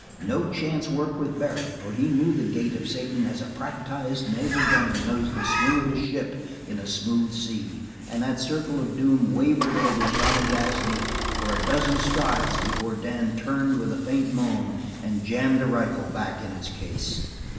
No chance work with Barry, for he knew the gait of Satan as a practized naval gunner knows the swing of his ship in a smooth sea, and that circle of doom wavered over Johnny Gasney for a dozen strides before Dan turned with a faint moan and jammed the rifle back in its case.